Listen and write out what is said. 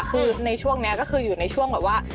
คือในช่วงนี้ก็คืออยู่ในช่วงแบบว่า